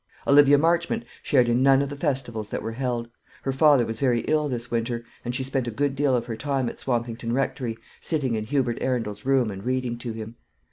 Olivia Marchmont shared in none of the festivals that were held. Her father was very ill this winter; and she spent a good deal of her time at Swampington Rectory, sitting in Hubert Arundel's room, and reading to him.